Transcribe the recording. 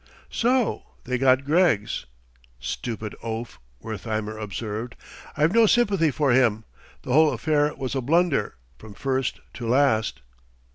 "So they got Greggs!" "Stupid oaf," Wertheimer observed; "I've no sympathy for him. The whole affair was a blunder, from first to last."